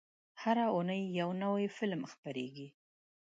هره اونۍ یو نوی فلم خپرېږي.